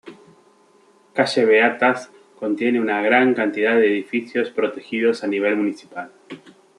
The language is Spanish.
Calle Beatas contiene una gran cantidad de edificios protegidos a nivel municipal.